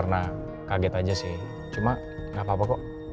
eh udah ada balasan belom dari andin